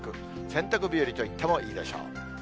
洗濯日和といってもいいでしょう。